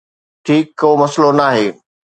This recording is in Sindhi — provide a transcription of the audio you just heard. ٺيڪ، ڪو مسئلو ناهي